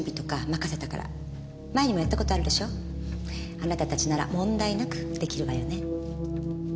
あなたたちなら問題なくできるわよね？